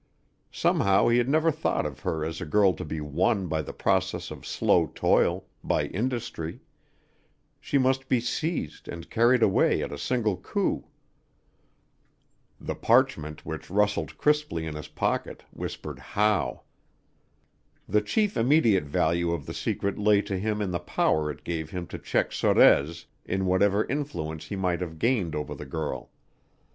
Somehow he had never thought of her as a girl to be won by the process of slow toil by industry; she must be seized and carried away at a single coup. The parchment which rustled crisply in his pocket whispered how. The chief immediate value of the secret lay to him in the power it gave him to check Sorez in whatever influence he might have gained over the girl.